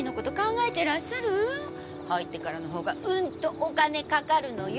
入ってからのほうがうんとお金かかるのよ」